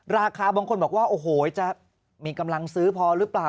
บางคนบอกว่าโอ้โหจะมีกำลังซื้อพอหรือเปล่า